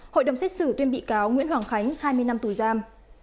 hội đồng xét xử tuyên bị cáo nguyễn hoàng khánh hai mươi năm tù giam